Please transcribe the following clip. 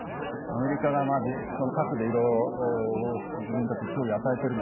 アメリカが核で自分たちに脅威を与えている。